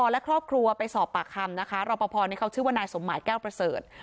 และครอบครัวไปสอบปากคำนะคะรอปภนี่เขาชื่อว่านายสมหมายแก้วประเสริฐ